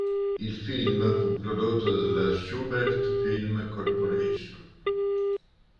Il film fu prodotto dalla Shubert Film Corporation.